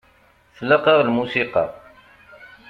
Tlaq-aɣ lmusiqa.